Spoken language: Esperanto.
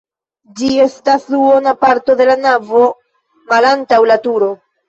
Ĝi estas duona parto de la navo malantaŭ la turo.